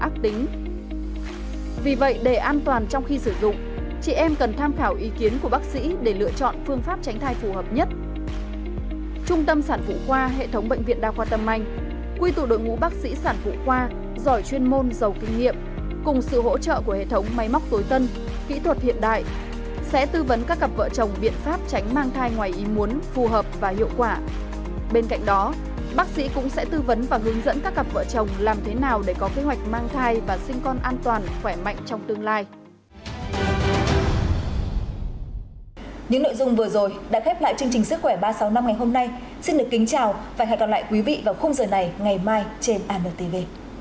kính chào và hẹn gặp lại quý vị vào khung giờ này ngày mai trên anotv